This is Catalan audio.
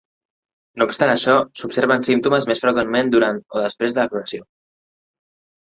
No obstant això, s'observen símptomes més freqüentment durant o després de la floració.